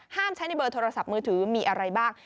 ใช้ในเบอร์โทรศัพท์มือถือมีอะไรบ้าง